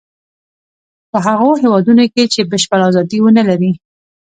په هغو هېوادونو کې چې بشپړه ازادي و نه لري.